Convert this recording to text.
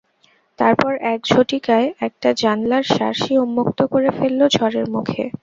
তারপর এক ঝটিকায় একটা জানলার শার্সি উন্মুক্ত করে ফেলল ঝড়ের মুখে।